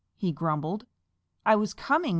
he grumbled. "I was coming right along."